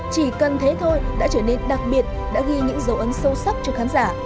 chỉ cần thế thôi đã trở nên đặc biệt đã ghi những dấu ấn sâu sắc cho khán giả